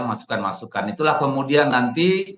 masukan masukan itulah kemudian nanti